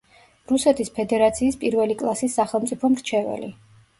რუსეთის ფედერაციის პირველი კლასის სახელმწიფო მრჩეველი.